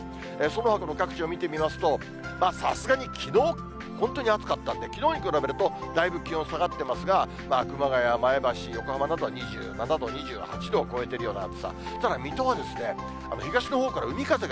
そのほかの各地を見てみますと、さすがにきのう、本当に暑かったんで、きのうに比べると、だいぶ気温下がってますが、熊谷、前橋、横浜などは２７度、２８度を超えてるような暑さ。